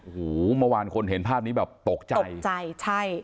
โอ้โหเมื่อวานคนเห็นภาพนี้แบบตกใจตกใจใช่